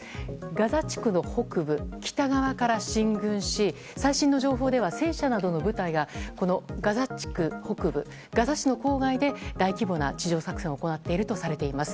ガザ地区の北部、北側から進軍し最新の情報では戦車などの部隊がガザ地区北部、ガザ市の郊外で大規模な地上作戦を行っているとされています。